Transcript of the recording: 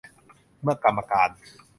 เมื่อกรรมการ